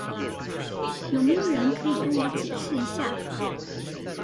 有沒有人可以跟我解釋一下